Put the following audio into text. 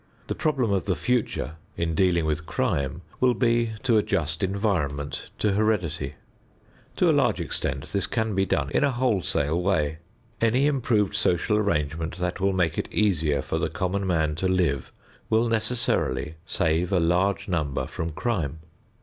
The problem of the future in dealing with crime will be to adjust environment to heredity. To a large extent this can be done in a wholesale way. Any improved social arrangement that will make it easier for the common man to live will necessarily save a large number from crime.